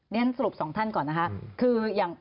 คุณสนิทสองท่านก่อนนะครับ